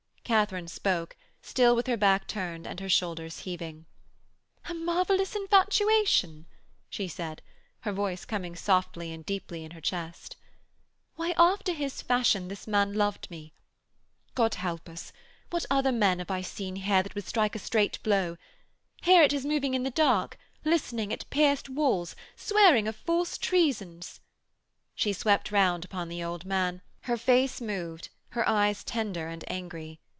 Katharine spoke, still with her back turned and her shoulders heaving: 'A marvellous infatuation!' she said, her voice coming softly and deeply in her chest. 'Why, after his fashion this man loved me. God help us, what other men have I seen here that would strike a straight blow? Here it is moving in the dark, listening at pierced walls, swearing of false treasons ' She swept round upon the old man, her face moved, her eyes tender and angry.